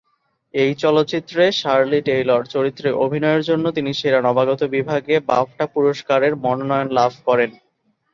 এই চলচ্চিত্রে Shirley Taylor চরিত্রে অভিনয়ের জন্য তিনি সেরা নবাগত বিভাগে বাফটা পুরস্কারের মনোনয়ন লাভ করেন।